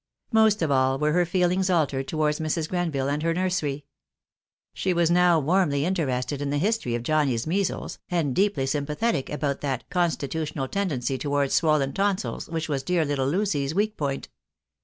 Most of all were her feelings altered towards Mrs. Grenville and her nursery. She was now warmly in terested in the history of Johnnie's measles, and deeply sympathetic about that constitutional tendency towards swollen tonsils which was dear little Lucy's "weak point."